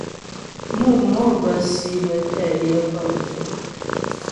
Mǔ' mò bə́ si bə́ tɛ yə pə́ mco'.